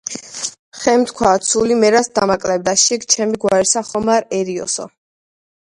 ხემ თქვა: „ცული მე რას დამაკლებდა, შიგ ჩემი გვარისა რომ არ ერიოსო